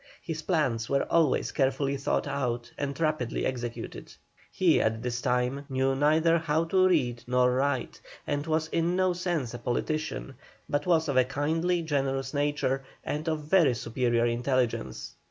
His plans were always carefully thought out and rapidly executed. He at this time knew neither how to read nor write, and was in no sense a politician, but was of a kindly, generous nature, and of very superior intelligence.